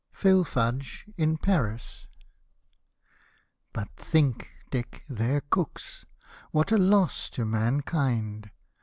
PHIL. FUDGE IN PARIS But think, DiCK, their Cooks — what a loss to man kind